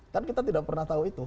kan kita tidak pernah tahu itu